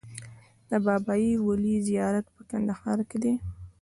د بابای ولي زیارت په کندهار کې دی